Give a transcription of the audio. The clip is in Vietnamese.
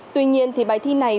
tuy nhiên thì bài thi này